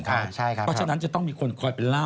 เพราะฉะนั้นจะต้องมีคนคอยเป็นเล่า